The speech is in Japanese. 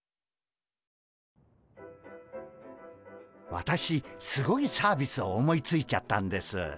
私すごいサービスを思いついちゃったんです。